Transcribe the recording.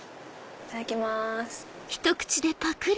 いただきます。